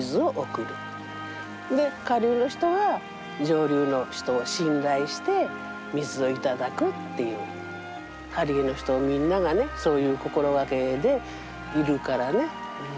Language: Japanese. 下流の人は上流の人を信頼して水を頂くっていう針江の人みんながねそういう心がけでいるからね。